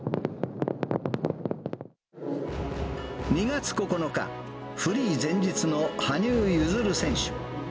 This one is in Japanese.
２月９日、フリー前日の羽生結弦選手。